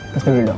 kasih dulu dong